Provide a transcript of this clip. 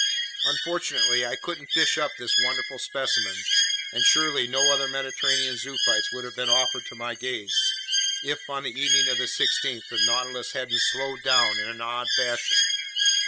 Unfortunately I couldn't fish up this wonderful specimen, and surely no other Mediterranean zoophytes would have been offered to my gaze, if, on the evening of the 16th, the Nautilus hadn't slowed down in an odd fashion.